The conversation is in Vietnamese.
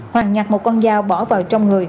hoàng nhặt một con dao bỏ vào trong người